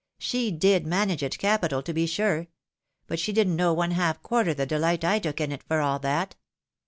She did manage it capital, to be sure ! But she didn't know one half quarter the deUght I took in it for all that.